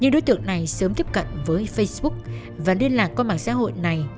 những đối tượng này sớm tiếp cận với facebook và liên lạc qua mạng xã hội này